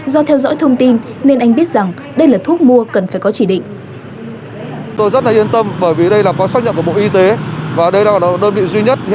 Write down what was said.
do theo dõi thông tin nên anh biết rằng đây là thuốc mua cần phải có chỉ định